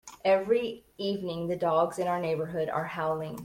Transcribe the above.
Every evening, the dogs in our neighbourhood are howling.